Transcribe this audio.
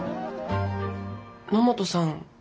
野本さん